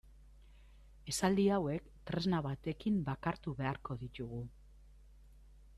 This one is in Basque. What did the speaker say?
Esaldi hauek tresna batekin bakartu beharko ditugu.